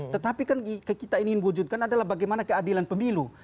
tetapi kan kita ingin wujudkan adalah bagaimana keadilan pemilu